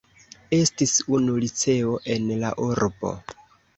Estis unu liceo en la urbo.